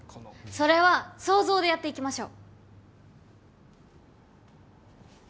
それは想像でやっていきましょう。